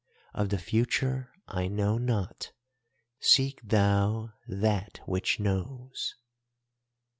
Of the future I know naught; seek thou that which knows.